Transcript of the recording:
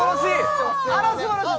あらすばらしい！